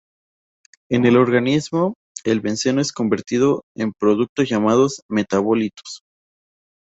En el organismo, el benceno es convertido en productos llamados metabolitos.